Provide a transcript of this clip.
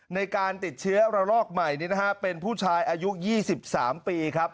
ในการติดเชื้อระลอกใหม่เป็นผู้ชายอายุ๒๓ปี